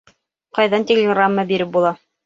Ҡайҙан телеграмма биреп була?